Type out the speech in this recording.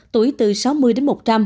tuổi từ sáu mươi đến một trăm linh